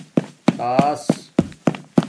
تݳس